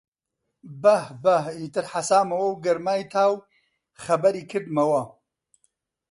بەهـ بەهـ! ئیتر حەسامەوە و گەرمای تاو خەبەری کردمەوە